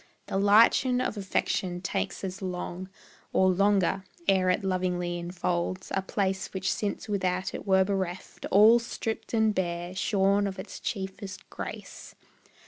The lichen of affection takes as long, Or longer, ere it lovingly enfolds A place which since without it were bereft, All stript and bare, shorn of its chiefest grace.